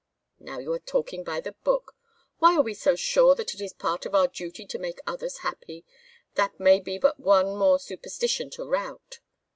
"Now you are talking by the book. Why are we so sure that it is a part of our duty to make others happy? That may be but one more superstition to rout.